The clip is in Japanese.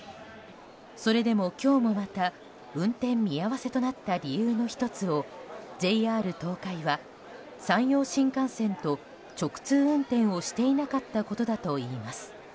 それでも今日もまた運転見合わせとなった理由の１つをＪＲ東海は山陽新幹線と直通運転をしていなかったことだといいます。